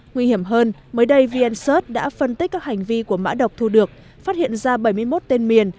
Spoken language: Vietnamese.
nguy hiểm hơn mới đây vncert đã phân tích các hành vi của mã độc thu được phát hiện ra bảy mươi một tên miền